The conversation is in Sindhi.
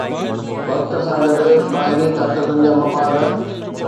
وقت سان گڏ ٻاهرين طاقتن جا مفاد